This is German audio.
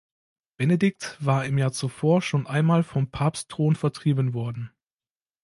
Benedikt war im Jahr zuvor schon einmal vom Papstthron vertrieben worden.